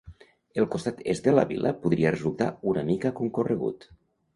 El costat est de la Vila podria resultar una mica concorregut.